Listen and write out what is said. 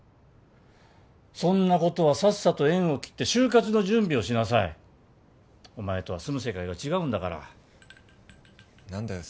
そんな子とはさっさと縁を切って就活の準備をしなさいお前とは住む世界が違うんだから何だよ